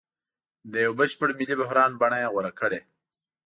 د یوه بشپړ ملي بحران بڼه یې غوره کړې.